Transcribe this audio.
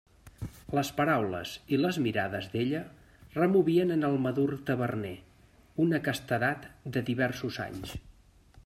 Les paraules i les mirades d'ella removien en el madur taverner una castedat de diversos anys.